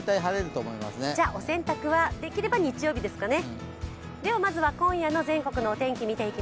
お洗濯はできれば日曜日ですかね。